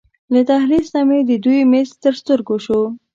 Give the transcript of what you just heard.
له دهلېز نه مې د دوی میز تر سترګو شو.